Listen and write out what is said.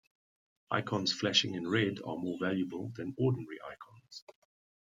Icons flashing in red are more valuable than ordinary icons.